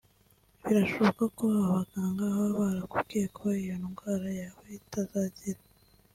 Birashoboka ko abaganga baba barakubwiye ko iyo ndwara yawe itazakira